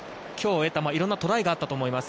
いろんなトライがあったと思います。